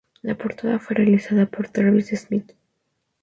La portada fue realizada por Travis Smith.